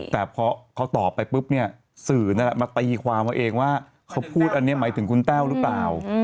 แต่พอเขาตอบไปปุ๊บเนี่ยสื่อนั่นแหละมาตีความเอาเองว่าเขาพูดอันนี้หมายถึงคุณแต้วหรือเปล่า